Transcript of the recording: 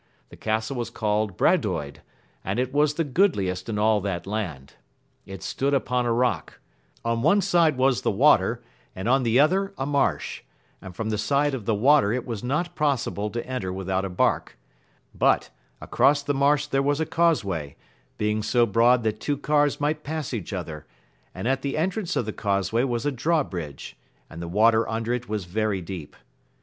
The castle was called Bradoyd, and it was the goodliest in all that land. It stood upon a rock; on one side was the water, and on the other a marsh, and from the side of the water it was not possible to enter without a bark ; but, across the marsh there was a causey, being so broad that two cars might pass each other, and at the entrance of the causey was a draw bridge, and the water under it was very deep.